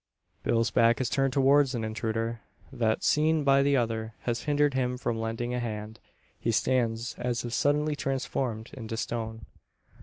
Bill's back is turned towards an intruder, that, seen by the other, has hindered him from lending a hand. He stands as if suddenly transformed into stone!